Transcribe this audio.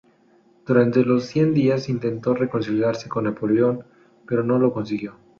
Durante los Cien Días intentó reconciliarse con Napoleón, pero no lo consiguió.